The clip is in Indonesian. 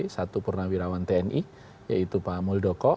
satu purnawirawan tni yaitu pak muldoko